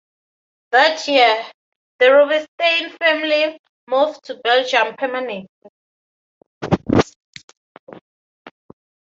That year, the Rubinstein family moved to Belgium permanently.